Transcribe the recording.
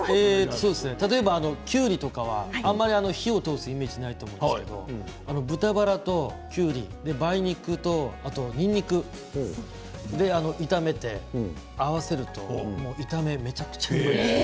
きゅうりはあまり火を通すイメージがないと思いますけど豚バラときゅうり梅肉と、にんにくそれで炒めて合わせると炒めがめちゃめちゃうまいですよ。